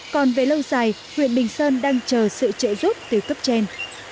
còn về lâu dài huyện bình sơn đang chờ sự trợ giúp từ cấp trên